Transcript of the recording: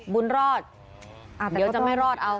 บุญรอดเดี๋ยวจะไม่รอดเอา